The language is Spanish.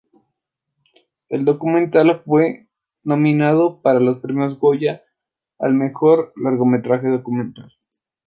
El documental fue nominado para los Premios Goya al mejor largometraje documental.